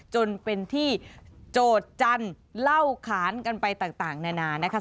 จนเป็นที่โจทย์จันทร์เล่าขานกันไปต่างนานานะคะ